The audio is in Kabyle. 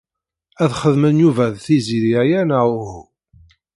Ad xedmen Yuba d Tiziri aya neɣ uhu?